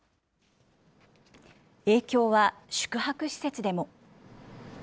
影響は宿泊施設でも。